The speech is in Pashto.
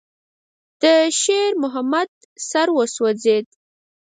د شېرمحمد سر وځړېد.